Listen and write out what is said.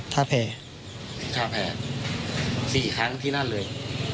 ๔ครั้งที่นั้นเลย